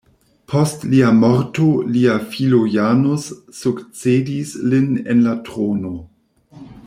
Post lia morto, lia filo Janus sukcedis lin en la trono.